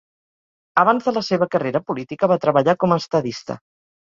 Abans de la seva carrera política va treballar com a estadista.